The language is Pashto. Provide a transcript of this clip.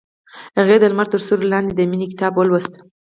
هغې د لمر تر سیوري لاندې د مینې کتاب ولوست.